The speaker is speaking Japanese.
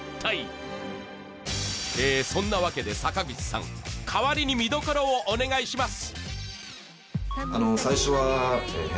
そんなわけで坂口さん代わりに見どころをお願いします